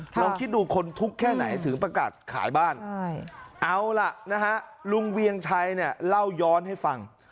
ลองคิดดูคนทุกข์แค่ไหนถึงประกาศขายบ้านเอาล่ะนะฮะลุงเวียงชัยเนี่ยเล่าย้อนให้ฟัง